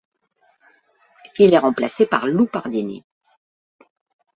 Il est remplacé par Lou Pardini.